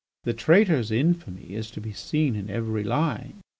The traitor's infamy is to be seen in every line.